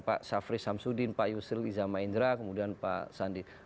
pak safri samsudin pak yusil izamaindra kemudian pak sandi